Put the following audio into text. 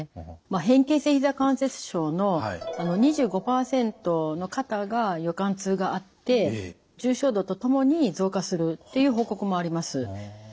変形性ひざ関節症の２５％の方が夜間痛があって重症度とともに増加するっていう報告もあります。